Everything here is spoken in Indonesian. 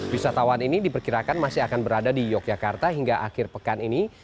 wisatawan ini diperkirakan masih akan berada di yogyakarta hingga akhir pekan ini